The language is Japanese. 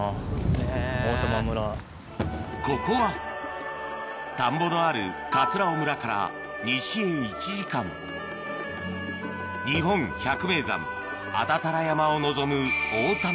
ここは田んぼのある尾村から西へ１時間日本百名山安達太良山を望む